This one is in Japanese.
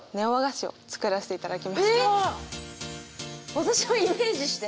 私をイメージして？